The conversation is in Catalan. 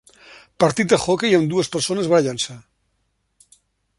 partit d'hoquei amb dues persones barallant-se